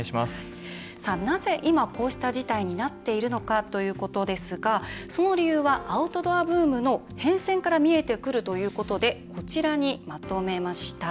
なぜ今こうした事態になっているのかということですが、その理由はアウトドアブームの変遷から見えてくるということでまとめました。